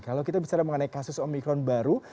kalau kita bicara mengenai kasus omikron baru